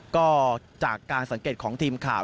ก็จากการสังเกตของทีมข่าว